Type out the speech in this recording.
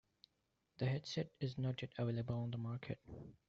The headset is not yet available on the market.